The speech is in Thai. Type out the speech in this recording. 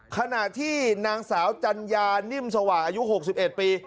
ขณะที่นางสาวจัญญานิ่มสว่างอายุ๖๑ปี